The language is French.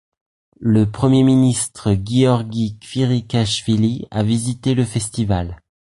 Le premier ministre Giorgi Kvirikashvili a visité le festival.